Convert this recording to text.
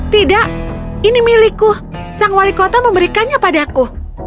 tidak ini milikku sang wali kota memberikannya padaku